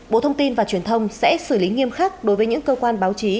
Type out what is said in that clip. bộ thông tin và truyền thông sẽ xử lý nghiêm khắc đối với những cơ quan báo chí